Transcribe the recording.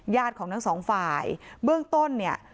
ของทั้งสองฝ่ายเบื้องต้นเนี่ย